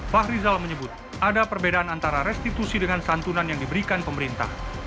fahrizal menyebut ada perbedaan antara restitusi dengan santunan yang diberikan pemerintah